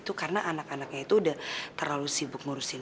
terima kasih banyak untuk ngusir ini